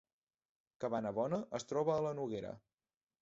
Cabanabona es troba a la Noguera